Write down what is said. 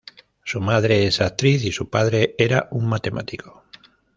Su madre es actriz y su padre era un matemático.